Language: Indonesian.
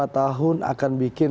lima tahun akan bikin